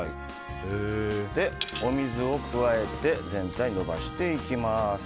お水を加えて全体に伸ばしていきます。